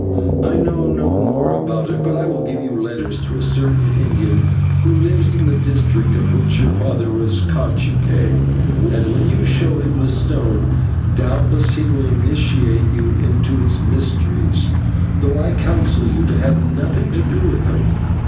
"I know no more about it, but I will give you letters to a certain Indian who lives in the district of which your father was /cacique/, and, when you show him the stone, doubtless he will initiate you into its mysteries, though I counsel you to have nothing to do with them.